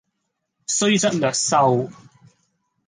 雖則略瘦，